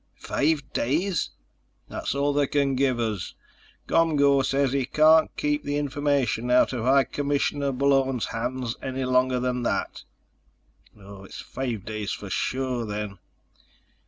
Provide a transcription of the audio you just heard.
"Five days?" "That's all they can give us. ComGO says he can't keep the information out of High Commissioner Bullone's hands any longer than that." "It's five days for sure then."